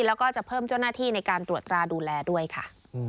แล้วก็จะเพิ่มเจ้าหน้าที่ในการตรวจตราดูแลด้วยค่ะ